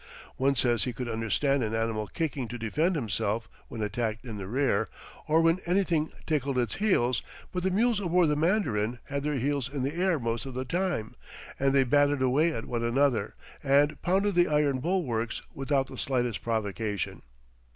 One says he could understand an animal kicking to defend itself when attacked in the rear, or when anything tickled its heels, but the mules aboard the Mandarin had their heels in the air most of the time, and they battered away at one another, and pounded the iron bulwarks, without the slightest provocation.